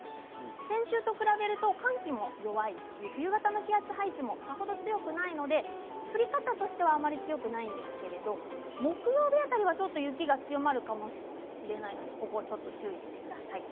先週と比べると寒気も弱いし冬型の気圧配置もさほど強くないので降り方としてはあまり強くないですけれど木曜日辺りはちょっと雪が強まるかもしれないのでここ、注意してください。